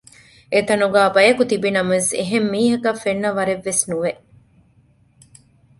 އެތަނުގައި ބަޔަކު ތިބިނަމަވެސް އެހެންމީހަކަށް ފެންނަވަރެއް ވެސް ނުވެ